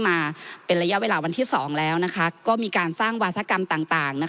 มาเป็นระยะวันที่๒ก็มีการสร้างวาสกรรมต่าง